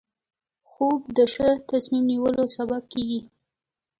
خوب د ښه تصمیم نیولو سبب کېږي